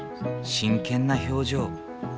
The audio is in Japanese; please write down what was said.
真剣な表情。